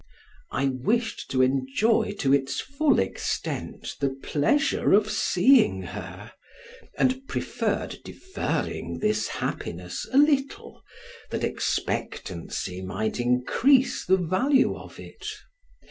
I wished to enjoy to its full extent the pleasure of seeing her, and preferred deferring this happiness a little, that expectancy might increase the value of it.